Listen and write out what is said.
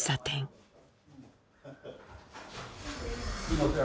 すいません。